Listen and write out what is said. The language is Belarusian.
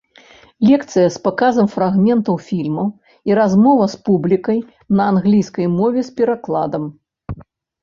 Лекцыя з паказам фрагментаў фільмаў і размова з публікай на англійскай мове з перакладам.